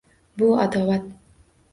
Bu adovat